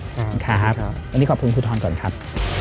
วันนี้ขอบคุณครูทอนก่อนครับ